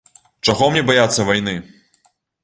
Чаго мне баяцца вайны?